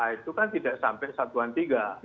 itu kan tidak sampai satu an tiga